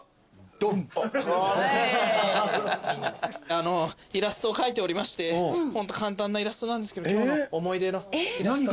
あのイラストを描いておりましてホント簡単なイラストなんですけど今日の思い出のイラスト。